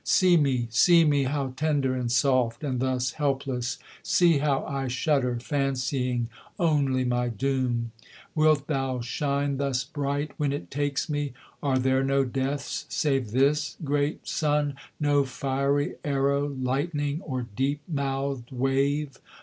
See me, See me, how tender and soft, and thus helpless! See how I shudder, Fancying only my doom. Wilt thou shine thus bright, when it takes me? Are there no deaths save this, great Sun? No fiery arrow, Lightning, or deep mouthed wave?